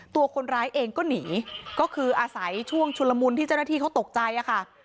ตัวคนร้ายเองก็หนีก็คืออาศัยช่วงชุลมุนที่เจ้าหน้าที่เขาตกใจค่ะ